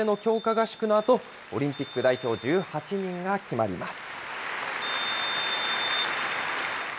合宿のあと、オリンピック代表１８人が決まります。